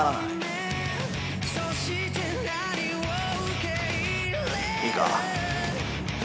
いいか？